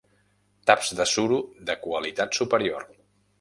Taps de suro de qualitat superior.